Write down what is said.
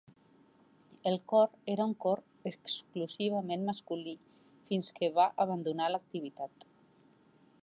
El cor era un cor exclusivament masculí fins que va abandonar l'activitat.